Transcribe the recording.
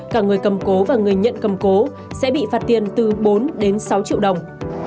cả người cẩm cố và người nhận cẩm cố sẽ bị phạt tiền từ bốn sáu triệu đồng